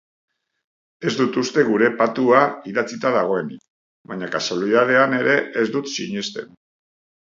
Ez dut uste gure patua idatzita dagoenik baina kasualidadean ere ez dut sinisten.